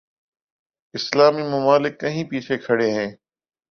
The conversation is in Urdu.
اسلامی ممالک کہیں پیچھے کھڑے ہیں۔